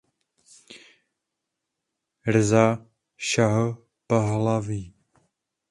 Rezá Šáh Pahlaví.